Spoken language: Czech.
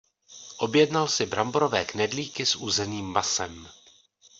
Objednal si bramborové knedlíky s uzeným masem.